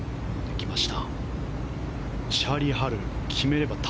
きました。